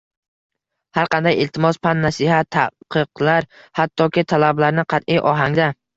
Har qanday iltimos, pand-nasihat, ta’qiqlar, hattoki talablarni qat’iy ohangda